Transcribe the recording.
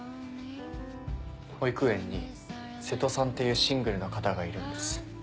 保育園に瀬戸さんっていうシングルの方がいるんです。